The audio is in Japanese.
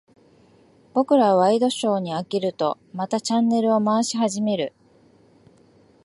僕らはワイドショーに飽きると、またチャンネルを回し始める。